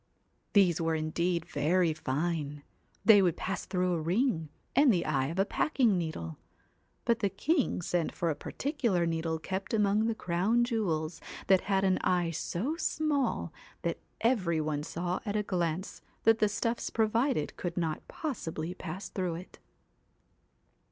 These were indeed very fine; they would pass through a ring, and the eye of a packing needle : but the king sent for a particular needle kept among the Crown jewels that had an eye so small, that every one saw at a glance that the stuffs pro vided could not possibly pass through it.